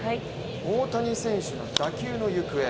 大谷選手の打球の行方。